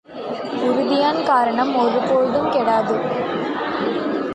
உறுதியான் காரியம் ஒரு போதும் கெடாது.